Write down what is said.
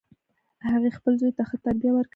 هغې خپل زوی ته ښه تربیه ورکړي